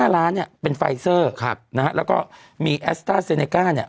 ๕ล้านเนี่ยเป็นไฟเซอร์นะฮะแล้วก็มีแอสต้าเซเนก้าเนี่ย